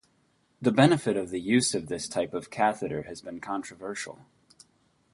The benefit of the use of this type of catheter has been controversial.